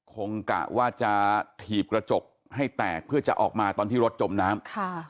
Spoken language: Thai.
กะว่าจะถีบกระจกให้แตกเพื่อจะออกมาตอนที่รถจมน้ำ